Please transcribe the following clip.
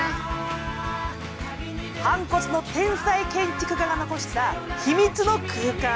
反骨の天才建築家が残した秘密の空間。